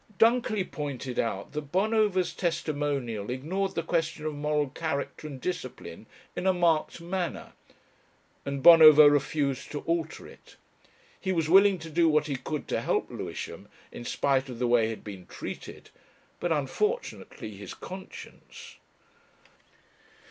Dunkerley pointed out that Bonover's testimonial ignored the question of moral character and discipline in a marked manner, and Bonover refused to alter it. He was willing to do what he could to help Lewisham, in spite of the way he had been treated, but unfortunately his conscience....